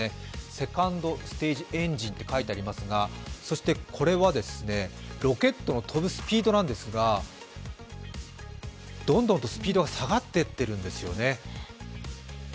セカンドステージエンジンと書いてありますが、そして、これはロケットの飛ぶスピードなんですがどんどんとスピードが下がってってるんですよね。